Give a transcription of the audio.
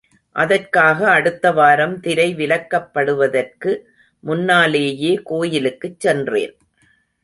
அதற்காக அடுத்த வாரம் திரை விலக்கப்படுவதற்கு முன்னாலேயே கோயிலுக்குச் சென்றேன்.